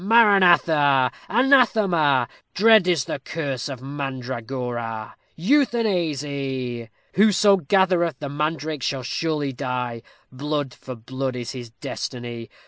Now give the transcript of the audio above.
Maranatha Anathema! Dread is the curse of mandragora! Euthanasy! Whoso gathereth the mandrake shall surely die; Blood for blood is his destiny.